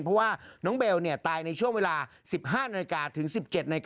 เพราะว่าน้องเบลตายในช่วงเวลา๑๕๑๗น